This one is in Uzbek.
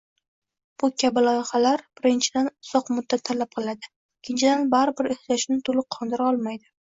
Bu kabi loyihalar, birinchidan, uzoq muddat talab qiladi, ikkinchidan, baribir ehtiyojni toʻliq qondira olmaydi.